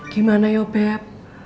gimana yoh beb